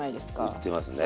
売ってますね。